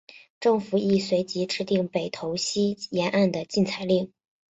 政府亦随即制定北投溪沿岸的禁采令。